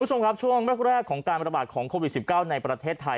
คุณผู้ชมครับช่วงแรกของการระบาดของโควิด๑๙ในประเทศไทย